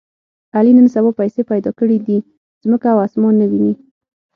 علي نن سبا څه پیسې پیدا کړې دي، ځمکه او اسمان نه ویني.